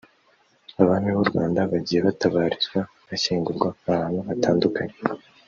Abami b’u Rwanda bagiye batabarizwa(bashyingurwa) ahantu hatandukanye